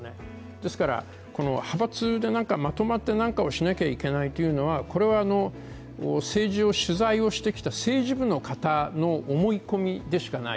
ですから派閥でまとまって何かをしなければいけないというのはこれは政治を取材してきた政治部の方の思い込みでしかない。